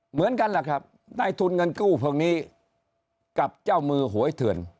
เหมือนกันแหละครับได้ทุนเงินกู้พวกนี้กับเจ้ามือหวยเถื่อน